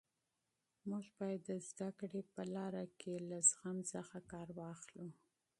موږ باید د زده کړې په لاره کې له صبر څخه کار واخلو.